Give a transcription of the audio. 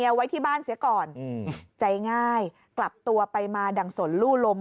เอาไว้ที่บ้านเสียก่อนอืมใจง่ายกลับตัวไปมาดั่งสนลู่ลม